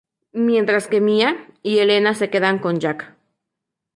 Mientras que Mía y Elena se quedan con Jack.